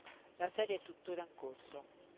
La serie è tuttora in corso.